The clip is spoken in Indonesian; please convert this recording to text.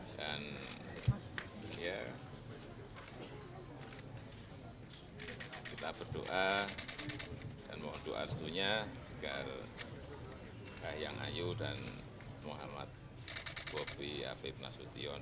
dan ya kita berdoa dan mohon doa setunya agar kak yang ayo dan muhammad bopi afiq nasution